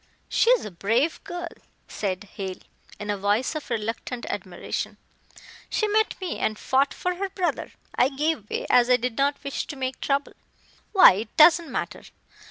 "She is a brave girl," said Hale, in a voice of reluctant admiration. "She met me and fought for her brother. I gave way, as I did not wish to make trouble. Why, it doesn't matter.